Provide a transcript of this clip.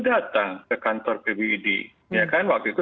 datang ke kantor pbid ya kan waktu itu